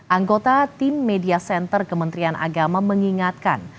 anggota tim media center kementerian agama mengingatkan